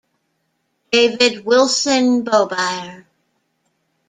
David Wilson Beaubier.